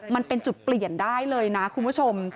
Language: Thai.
มันเป็นจุดเปลี่ยนได้เลยนะคุณผู้ชม